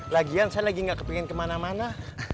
lagian saya lagi gak kepingin kemana mana